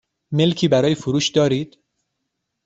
ملکی برای فروش دارید؟